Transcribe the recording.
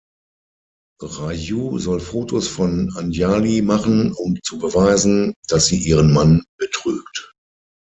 Raju soll Fotos von Anjali machen um zu beweisen, dass sie ihren Mann betrügt.